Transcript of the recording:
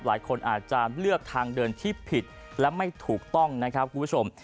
หลายคนอาจจะเลือกทางเดินที่ผิดและไม่ถูกต้องนะครับคุณผู้ชม